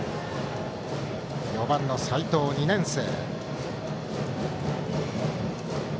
４番の齋藤、２年生。